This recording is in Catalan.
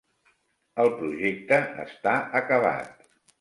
El projecte està acabat.